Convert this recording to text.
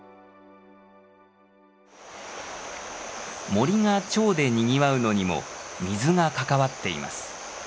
森がチョウでにぎわうのにも水が関わっています。